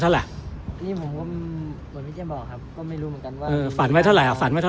สารอาจจะเมตตาให้๕ล้านก็ได้เนอะ